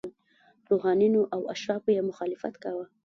روحانینو او اشرافو یې مخالفت کاوه.